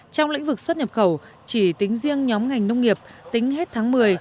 trong lĩnh vực xuất nhập khẩu chỉ tính riêng nhóm ngành nông nghiệp tính hết tháng một mươi